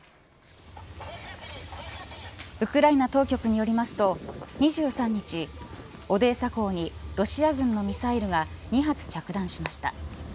ウクライナ当局によりますと２３日オデーサ港にロシア軍のミサイルが２発着弾しました。